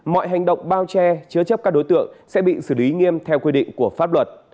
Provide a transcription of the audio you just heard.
mọi hành động bao che chứa chấp các đối tượng sẽ bị xử lý nghiêm theo quy định của pháp luật